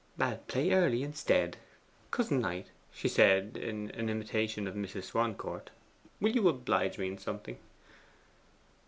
'I'll play early instead. Cousin Knight,' she said in imitation of Mrs. Swancourt, 'will you oblige me in something?